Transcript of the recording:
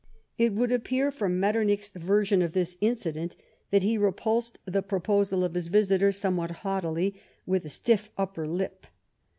It would appear from Metternich's version of this incident that he repulsed the proposal of his visitor, somewhat haughtily, " with a stiff upper lip."